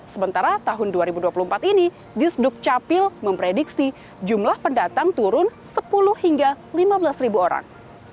sementara tahun dua ribu dua puluh empat ini di sdukcapil memprediksi jumlah pendatang turun sepuluh hingga lima belas ribu orang